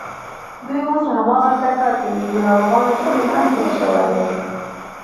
دوی اوس هماغلته کار کوي، د ناروغانو شمېر هم ډېر شوی دی.